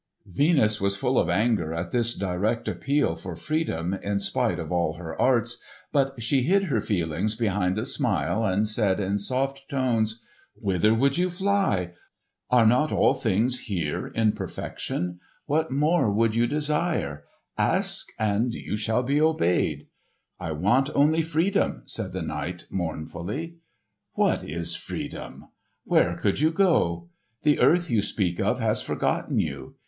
Venus was full of anger at this direct appeal for freedom, in spite of all her arts; but she hid her feelings behind a smile and said in soft tones, "Whither would you fly? Are not all things here in perfection? What more would you desire? Ask, and you shall be obeyed!" "I want only freedom," said the knight mournfully. "What is freedom? Where could you go? The earth you speak of has forgotten you.